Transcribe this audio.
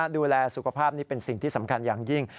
ดูแลสุขภาพนี่เป็นสิ่งที่สำคัญอย่างยิ่ง